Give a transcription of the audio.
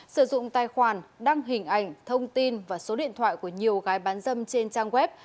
sử dụng tài khoản đăng hình ảnh thông tin và số điện thoại của nhiều gái bán dâm trên trang web